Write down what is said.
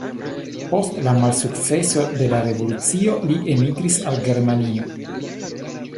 Post la malsukceso de la revolucio li elmigris al Germanio.